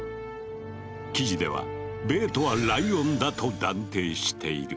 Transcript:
記事ではベートはライオンだと断定している。